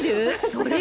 それ？